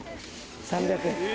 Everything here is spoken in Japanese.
３００円。